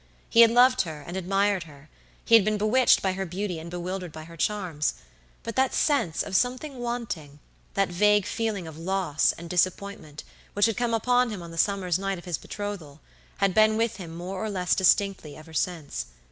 He had loved her and admired her; he had been bewitched by her beauty and bewildered by her charms; but that sense of something wanting, that vague feeling of loss and disappointment which had come upon him on the summer's night of his betrothal had been with him more or less distinctly ever since.